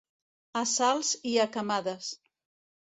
A salts i a camades.